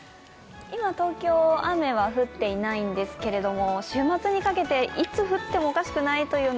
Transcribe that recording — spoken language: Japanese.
今、東京雨は降っていないんですけれども、週末にかけていつ降ってもおかしくないという